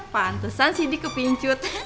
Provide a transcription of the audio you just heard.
pantesan cindy kepincut